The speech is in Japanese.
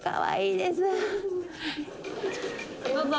どうぞ。